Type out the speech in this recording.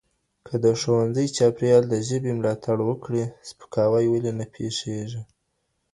که د ښوونځي چاپيريال د ژبې ملاتړ وکړي سپکاوی ولې نه پېښېږي؟